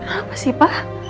apa sih pak